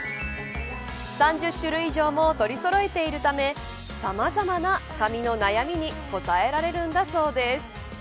３０種類以上も取りそろえているためさまざまな髪の悩みに応えられるんだそうです。